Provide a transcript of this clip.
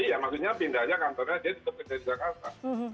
iya maksudnya pindahnya kantornya dia tetap kerja di jakarta